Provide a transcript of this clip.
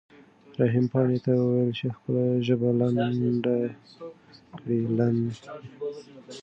رحیم پاڼې ته وویل چې خپله ژبه لنډه کړي.